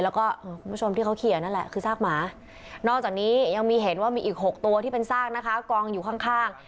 แล้วก็คุณผู้ชมที่เขาเขียนนั่นแหละคือซากหมานอกจากนี้ยังมีเห็นว่ามีอีก๖ตัวที่เป็นซากนะคะกองอยู่ข้าง